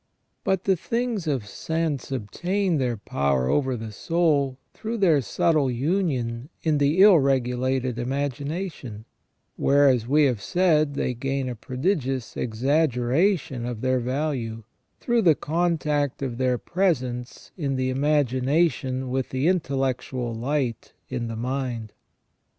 But the things of sense obtain their power over the soul through their subtle union in the ill regulated imagination, where, as we have said, they gain a prodigious exaggeration of their value, through the contact of their presence in the imagination with the intellectual light in the mind.